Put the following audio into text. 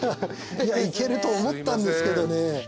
いけると思ったんですけどね。